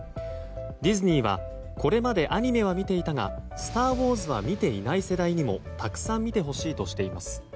ディズニーはこれまでアニメは見ていたが「スター・ウォーズ」は見ていない世代にもたくさん見てほしいとしています。